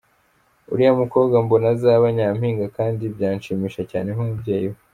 Uriya mukobwa mbona azaba nyampinga kandi byanshimisha cyane nk’umubyeyi we .